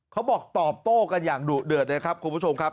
เขาบอกตอบโต้กันอย่างดุเดือดเลยครับคุณผู้ชมครับ